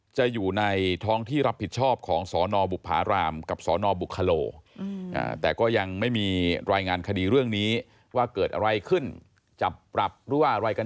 จะอยู่ในท้องที่รับผิดชอบของสนบุภารามกับสนบุคคโล